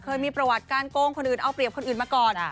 เคยมีประวัติการโกงคนอื่นเอาเปรียบคนอื่นมาก่อน